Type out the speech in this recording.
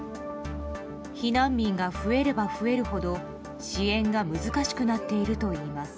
避難民が増えれば増えるほど支援が難しくなっているといいます。